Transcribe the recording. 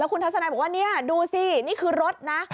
คุณทัศนัยบอกว่านี่ดูสินี่คือรถนะ